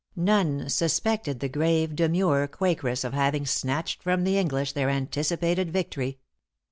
None suspected the grave, demure Quakeress of having snatched from the English their anticipated victory.